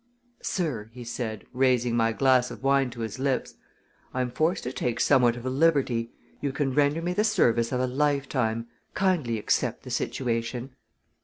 "Sir," he said, raising my glass of wine to his lips, "I am forced to take somewhat of a liberty. You can render me the service of a lifetime! Kindly accept the situation."